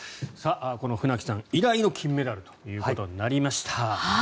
この船木さん以来の金メダルということになりました。